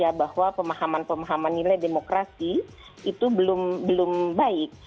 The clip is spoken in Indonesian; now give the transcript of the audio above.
ya bahwa pemahaman pemahaman nilai demokrasi itu belum baik